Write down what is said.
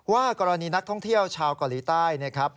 ว่ากรณีนักท่องเที่ยวชาวกรีต้าย